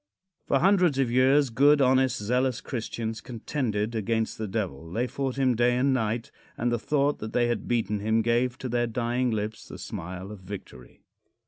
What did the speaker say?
For hundreds of years, good, honest, zealous Christians contended against the Devil. They fought him day and night, and the thought that they had beaten him gave to their dying lips the smile of victory.